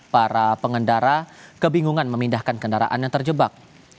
para pengendara kebingungan memindahkan kendaraan yang terjebak